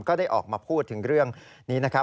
ก็ได้ออกมาพูดถึงเรื่องนี้นะครับ